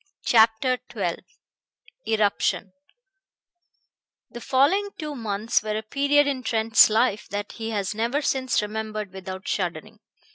CHAPTER XII ERUPTION The following two months were a period in Trent's life that he has never since remembered without shuddering.